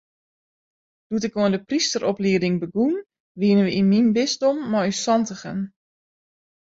Doe't ik oan de prysteroplieding begûn, wiene we yn myn bisdom mei ús santigen.